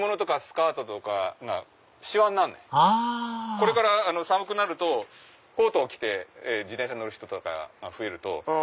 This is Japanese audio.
これから寒くなるとコート着て自転車に乗る人が増える。